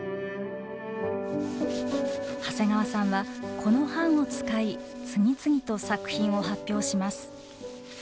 長谷川さんはこの版を使い次々と作品を発表します。